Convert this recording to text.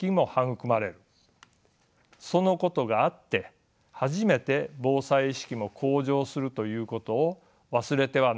そのことがあって初めて防災意識も向上するということを忘れてはならないと思います。